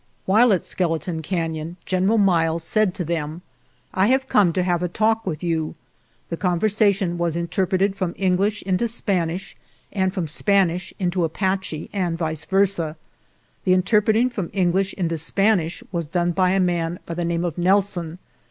" While at Skeleton Canon General Miles said to them: ' I have come to have a talk with you.' The conversation was inter preted from English into Spanish and from Spanish into Apache and vice versa. The 157 GERONIMO interpreting from English into Spanish was done by a man by the name of Nelson.